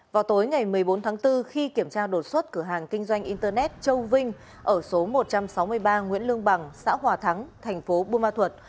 vào tối ngày một mươi bốn tháng bốn khi kiểm tra đột xuất cửa hàng kinh doanh internet châu vinh ở số một trăm sáu mươi ba nguyễn lương bằng xã hòa thắng thành phố bùa ma thuật